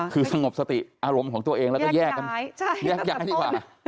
คือสงบสติอารมณ์ของตัวเองแล้วก็แยกกันแยกย้ายดีกว่า